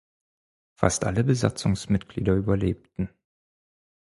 Fast alle Besatzungsmitglieder überlebten.